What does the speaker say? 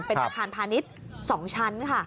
เป็นอาคารพาณิชย์๒ชั้นค่ะ